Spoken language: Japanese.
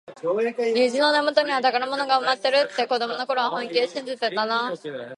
虹の根元には宝物が埋まっているって、子どもの頃は本気で信じてたなあ。